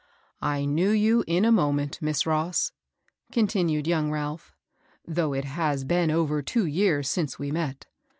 " I knew you in a moment, Miss Ross," contin ued young Ralph, " though it has been over two years since we met.